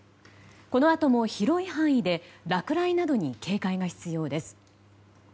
このあとも広い範囲で落雷などに警戒が必要です。